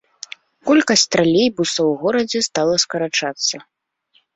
Колькасць тралейбусаў у горадзе стала скарачацца.